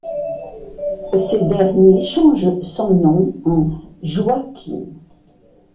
Ce dernier change son nom en Joiaqim.